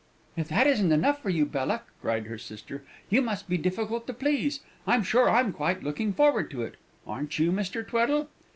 "If that isn't enough for you, Bella," cried her sister, "you must be difficult to please! I'm sure I'm quite looking forward to it; aren't you, Mr. Tweddle?"